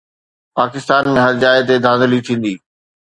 پاڪستان ۾ هر جاءِ تي ڌانڌلي ٿيندي